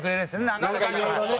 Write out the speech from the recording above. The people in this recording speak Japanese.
なんかいろいろね。